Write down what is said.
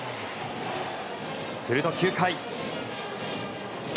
すると、９回。